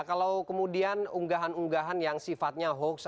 kalau kemudian unggahan unggahan yang sifatnya hoax